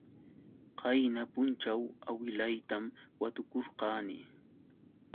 Qayna punćhaw awilaytam watukurqani.